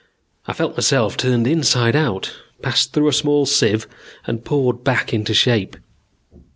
I felt myself turned inside out, passed through a small sieve, and poured back into shape.